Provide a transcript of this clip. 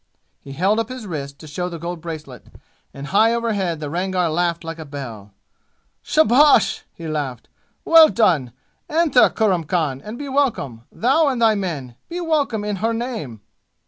He held up his wrist to show the gold bracelet, and high over his head the Rangar laughed like a bell. "Shabash!" he laughed. "Well done! Enter, Kurram Khan, and be welcome, thou and thy men. Be welcome in her name!"